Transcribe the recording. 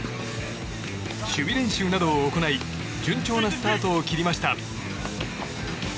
守備練習などを行い順調なスタートを切りました。